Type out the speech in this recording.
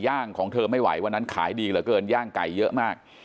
ของเธอไม่ไหววันนั้นขายดีเหลือเกินย่างไก่เยอะมาก